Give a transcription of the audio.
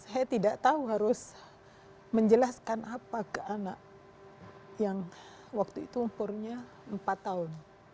saya tidak tahu harus menjelaskan apa ke anak yang waktu itu umurnya empat tahun